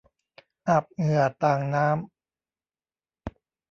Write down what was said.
อาบเหงื่อต่างน้ำ